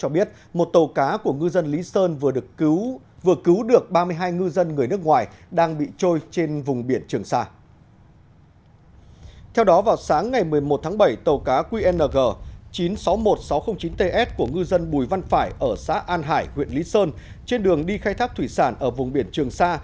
ở xã an hải huyện lý sơn trên đường đi khai tháp thủy sản ở vùng biển trường sa